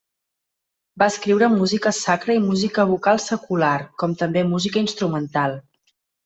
Va escriure música sacra i música vocal secular, com també música instrumental.